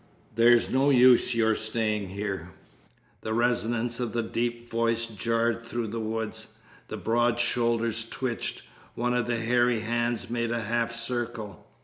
"There's no use your staying here." The resonance of the deep voice jarred through the woods. The broad shoulders twitched. One of the hairy hands made a half circle.